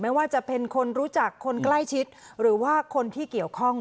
ไม่ว่าจะเป็นคนรู้จักคนใกล้ชิดหรือว่าคนที่เกี่ยวข้อง